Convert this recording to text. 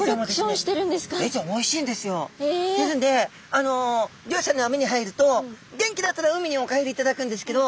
あの漁師さんのあみに入ると元気だったら海にお帰りいただくんですけど